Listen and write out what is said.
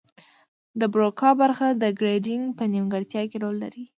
د بروکا برخه د ګړیدنګ په نیمګړتیا کې رول لري